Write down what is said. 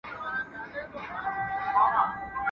o اولاد هم غم، نه اولاد هم غم.